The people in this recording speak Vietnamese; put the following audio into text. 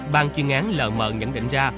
bàn chuyên án lờ mờ nhận định ra